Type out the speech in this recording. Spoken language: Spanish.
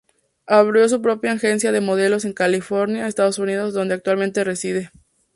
Abrió su propia agencia de modelos en California, Estados Unidos donde actualmente reside.